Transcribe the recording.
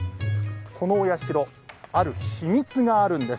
このお社ある秘密があるんです。